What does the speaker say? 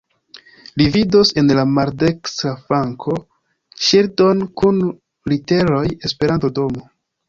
Vi vidos en la maldekstra flanko ŝildon kun literoj "Esperanto-Domo".